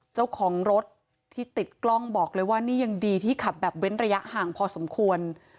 เจ้าของรถที่ติดกล้องบอกเลยว่านี่ยังดีที่ขับแบบเว้นระยะห่างพอสมควร